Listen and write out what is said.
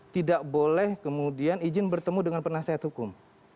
tidak boleh kemudian izin bertemu dengan penasehat hukum